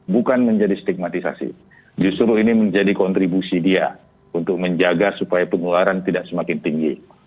bukan menjadi stigmatisasi justru ini menjadi kontribusi dia untuk menjaga supaya penularan tidak semakin tinggi